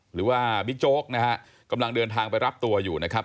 บิ๊กโจ๊กนะฮะกำลังเดินทางไปรับตัวอยู่นะครับ